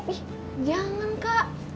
ih jangan kak